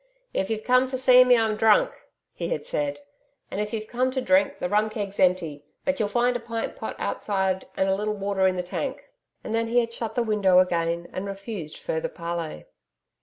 'If ye've come to see me, I'm drunk,' he had said, 'and if you've come to drink, the rum keg's empty, but ye'll find a pint pot outside and a little water in the tank.' And then he had shut the window again and refused further parley.